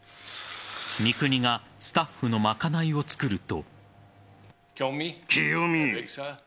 三國がスタッフの賄いを作ると。